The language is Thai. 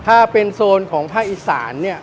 ถ้าเป็นโซนของภาคอีสานเนี่ย